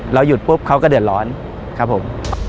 หยุดปุ๊บเขาก็เดือดร้อนครับผม